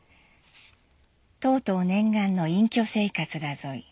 「とうとう念願の隠居生活だぞい」